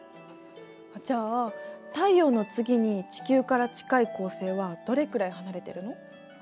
じゃあ太陽の次に地球から近い恒星はどれくらい離れているの？